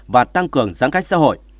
và tăng cường giãn cách xã hội